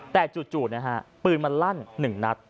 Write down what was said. แต่จู่นะฮะปืนมันลั่น๑นัด